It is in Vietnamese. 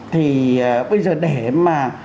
thì bây giờ để mà